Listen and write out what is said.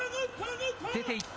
出ていった。